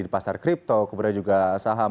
jadi pasar kripto kemudian juga saham